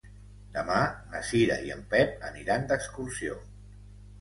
Demà na Cira i en Pep aniran d'excursió.